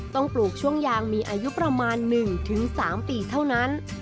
ปลูกช่วงยางมีอายุประมาณ๑๓ปีเท่านั้น